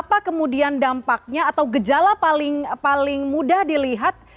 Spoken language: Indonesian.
apa kemudian dampaknya atau gejala paling mudah dilihat